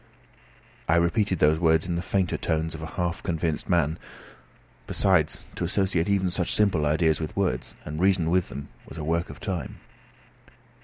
I repeated these words in the fainter tones of a half convinced man. Besides, to associate even such simple ideas with words, and reason with them, was a work of time.